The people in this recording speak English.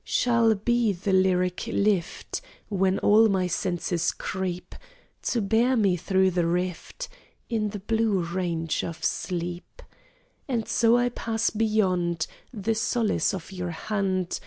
Shall be the lyric lift, When all my senses creep, To bear me through the rift In the blue range of sleep. And so I pass beyond The solace of your hand.